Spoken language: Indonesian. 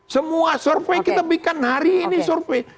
semua survei kita bikin hari ini survei